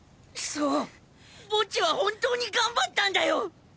そうボッジは本当に頑張ったんだよ！